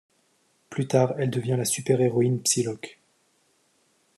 Plus tard, elle devient la super-héroïne Psylocke.